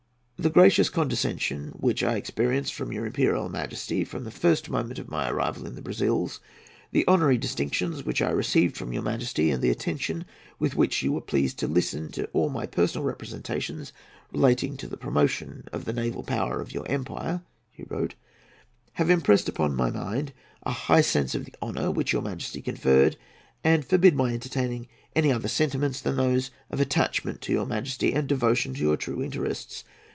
"The gracious condescension which I experienced from your Imperial Majesty, from the first moment of my arrival in the Brazils, the honorary distinctions which I received from your Majesty, and the attention with which you were pleased to listen to all my personal representations relating to the promotion of the naval power of your empire," he wrote, "have impressed upon my mind a high sense of the honour which your Majesty conferred, and forbid my entertaining any other sentiments than those of attachment to your Majesty and devotion to your true interests.